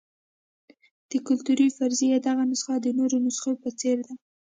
د کلتوري فرضیې دغه نسخه د نورو نسخو په څېر ده.